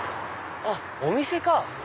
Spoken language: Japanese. あっお店か。